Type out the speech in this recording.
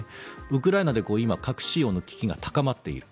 ウクライナで今、核使用の危機が高まっている。